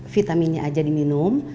vitaminnya aja diminum